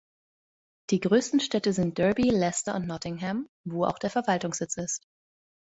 Die größten Städte sind Derby, Leicester und Nottingham, wo auch der Verwaltungssitz ist.